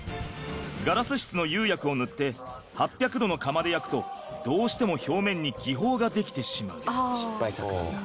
ガラス質の釉薬を塗って８００℃の窯で焼くとどうしても表面に気泡ができてしまう。